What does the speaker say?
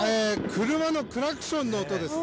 車のクラクションの音です。